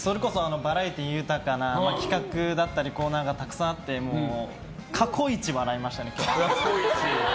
バラエティー豊かな企画だったりコーナーがたくさんあって過去一、笑いましたね。